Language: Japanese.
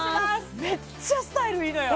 めっちゃスタイルいいのよ